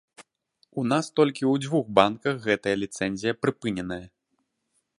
У нас толькі ў двух банках гэтая ліцэнзія прыпыненая.